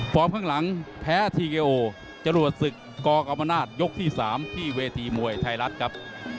พร้อมข้างหลังแพ้ทีเกโอจรวดศึกกกัมมานาฏยกที่๓ที่เวทีมวยราชดำเนินครับ